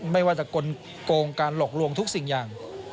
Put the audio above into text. ไม่ว่าจะโกงการหลอกลวงทุกสิ่งอย่าง